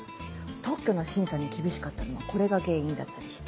特許の審査に厳しかったのはこれが原因だったりして。